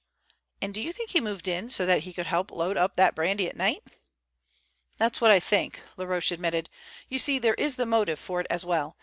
"And you think he moved in so that he could load up that brandy at night?" "That's what I think," Laroche admitted. "You see, there is the motive for it as well.